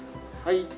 はい。